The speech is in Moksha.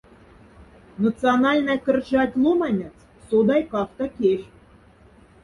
Национальнай кржать ломанец содай кафта кяльхть.